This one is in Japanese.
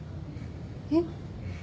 えっ？